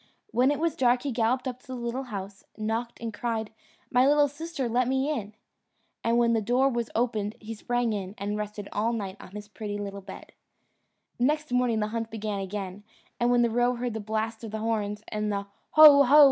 When it was dark he galloped up to the little house, knocked, and cried, "My little sister, let me in." And when the door was opened he sprang in, and rested all night on his pretty little bed. Next morning the hunt began again, and when the roe heard the blast of the horns, and the "Ho! ho!"